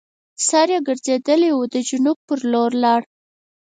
سر یې ګرځېدلی وو د جنوب پر لور لاړ.